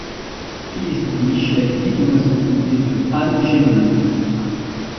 Fils de Michel Guinoiseau et de Anne Gevelot.